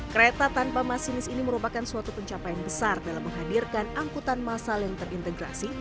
kereta tanpa masinis ini merupakan suatu pencapaian besar dalam menghadirkan angkutan masal yang terintegrasi